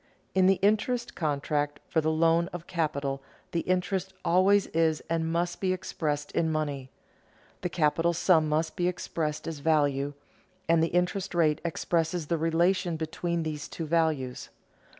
_ In the interest contract for the loan of capital the interest always is and must be expressed in money; the capital sum must be expressed as value; and the interest rate expresses the relation between these two values.